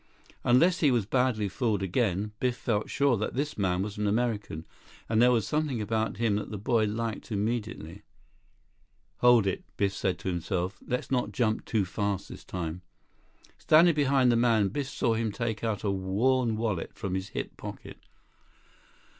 Unless he was badly fooled again, Biff felt sure that this man was an American, and there was something about him that the boy liked immediately. 36 "Hold it," Biff told himself. "Let's not jump too fast this time." Standing behind the man, Biff saw him take out a worn wallet from his hip pocket.